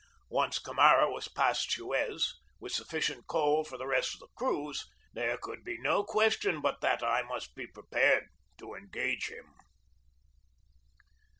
Once Camara was past Suez, with sufficient coal for the 260 GEORGE DEWEY rest of the cruise, there could be no question but that I must be prepared to engage him.